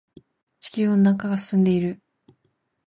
地球温暖化が進んでいる。